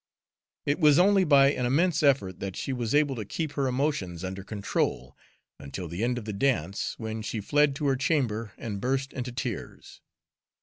It was only by an immense effort that she was able to keep her emotions under control until the end of the dance, when she fled to her chamber and burst into tears.